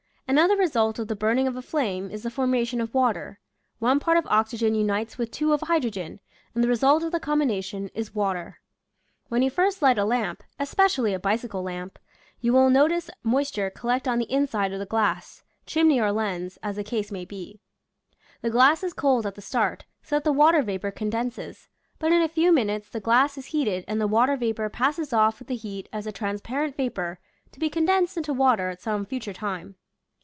Another result of the burning of a flame is the formation of water — one part of oxygen unites with two of hydrogen, and the result of the combination is water. When you first light a lamp — especially a bicycle lamp — you will no tice moisture collect on the inside of the glass — chimney or lens, as the case may be. The glass is cold at the start, so that the water vapor condenses, but in a few minutes the glass is heated and the water vapor passes off v.ith the heat as a transparent vapor to be condensed into water at some future time.